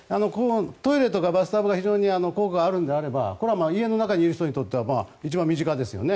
トイレとかバスタブが非常に効果があるのであればこれは家の中にいる人にとっては一番身近ですよね。